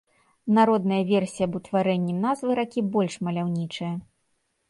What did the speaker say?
Народная версія аб утварэнні назвы ракі больш маляўнічая.